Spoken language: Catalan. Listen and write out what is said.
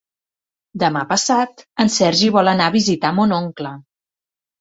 Demà passat en Sergi vol anar a visitar mon oncle.